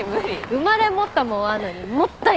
生まれ持ったもんあんのにもったいないっていうか。